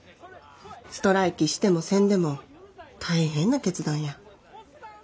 ストライキしてもせんでも大変な決断や。